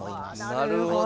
なるほど。